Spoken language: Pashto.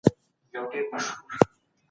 دوی به خپل کارونه پای ته نه وي رسولي.